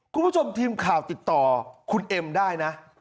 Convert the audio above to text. คุณผู้ชมทีมข่าวติดต่อคุณเอ็มได้นะ